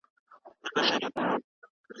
له هغوی سره بايد په مهربانۍ چلند وسي.